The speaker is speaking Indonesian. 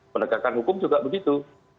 pendekatan hukum juga begitu